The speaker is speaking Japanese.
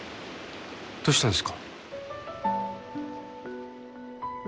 どうしたんですか？